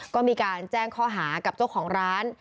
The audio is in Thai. ก็มีการแจ้งข้อหากับเจ้าของร้าน